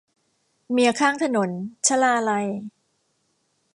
เมียข้างถนน - ชลาลัย